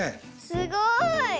すごい。